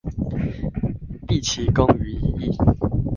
畢其功於一役